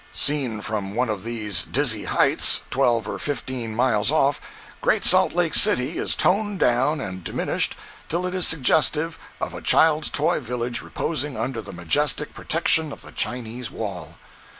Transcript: Seen from one of these dizzy heights, twelve or fifteen miles off, Great Salt Lake City is toned down and diminished till it is suggestive of a child's toy village reposing under the majestic protection of the Chinese wall.